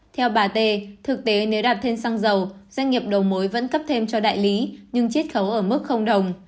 theo bà tê thực tế nếu đặt thêm xăng dầu doanh nghiệp đầu mối vẫn cấp thêm cho đại lý nhưng chiết khấu ở mức đồng